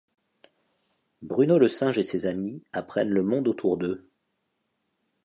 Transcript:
Bruno le singe et ses amis apprennent le monde autour d'eux.